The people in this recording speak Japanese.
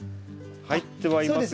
入ってはいますが。